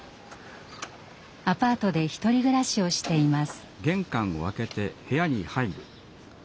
アパートで１人暮らしをしています。